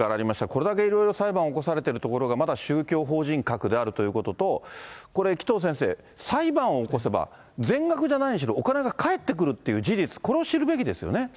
これだけいろいろ裁判起こされてるところが、まだ宗教法人格であるということと、これ、紀藤先生、裁判を起こせば、全額じゃないにしろ、お金が返ってくるっていう事実、これを知るべきですよね。